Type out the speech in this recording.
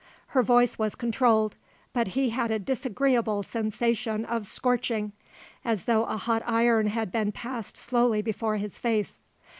Her voice was controlled, but he had a disagreeable sensation of scorching, as though a hot iron had been passed slowly before his face.